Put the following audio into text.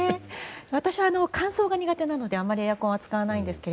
私は感想が苦手なのであまりエアコンは使わないんですが